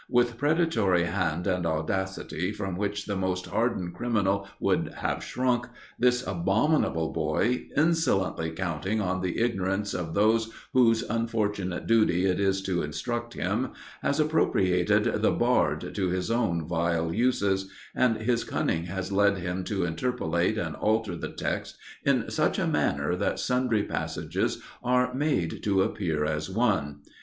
"With predatory hand and audacity from which the most hardened criminal would have shrunk, this abominable boy, insolently counting on the ignorance of those whose unfortunate duty it is to instruct him, has appropriated the Bard to his own vile uses; and his cunning has led him to interpolate and alter the text in such a manner that sundry passages are made to appear as one.